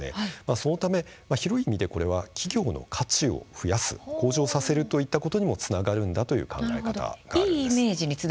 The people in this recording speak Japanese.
そのため広い意味でこれは企業の価値を増やす、向上させるということにもつながるんだという考え方なんです。